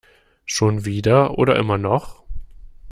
Schon wieder oder immer noch?